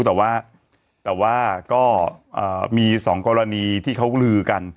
แต่ว่าก็มีสองกรณีที่เขาลือกัน